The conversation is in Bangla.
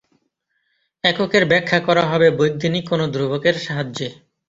এককের ব্যাখ্যা করা হবে বৈজ্ঞানিক কোনো ধ্রুবকের সাহায্যে।